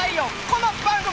この番組。